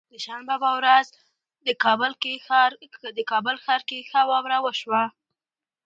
د شنبه به ورځ کابل ښار کې ښه واوره وشوه